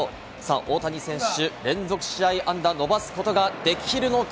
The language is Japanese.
大谷選手、連続試合安打を伸ばすことができるのか？